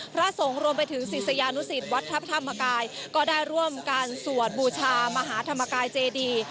พระสงฆ์รวมไปถึงศิษยานุสิตวัดพระธรรมกายก็ได้ร่วมการสวดบูชามหาธรรมกายเจดี